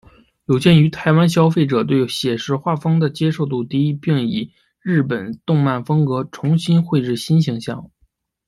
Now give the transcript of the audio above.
有鉴于台湾消费者对写实画风的接受度低并以日本动漫风格重新绘制新形象。